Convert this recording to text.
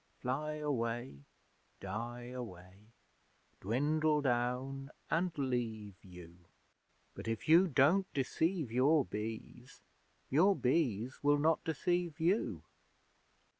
Fly away die away Dwindle down and leave you! But if you don't deceive your Bees, Your Bees will not deceive you.